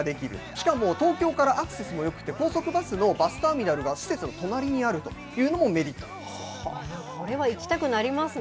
しかも東京からアクセスもよくって、高速バスのバスターミナルが施設の隣にあるというのもメリッそれは行きたくなりますね。